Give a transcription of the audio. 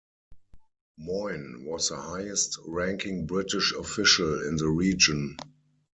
Moyne was the highest ranking British official in the region.